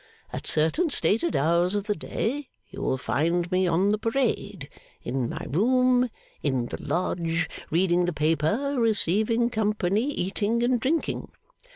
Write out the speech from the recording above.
At certain stated hours of the day, you will find me on the parade, in my room, in the Lodge, reading the paper, receiving company, eating and drinking.